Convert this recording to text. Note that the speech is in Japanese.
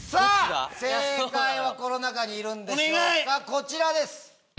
正解はこの中にいるでしょうかこちらです。